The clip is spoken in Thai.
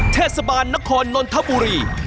เทศบาลนครนนทบุรี